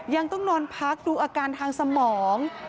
ยังต้องนอนพักดูอาการทางสมอง